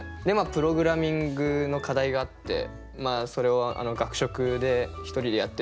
プログラミングの課題があってそれを学食で１人でやってて。